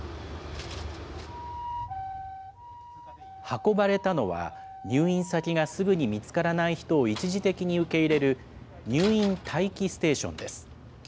運ばれたのは、入院先がすぐに見つからない人を一時的に受け入れる入院待機ステーションです。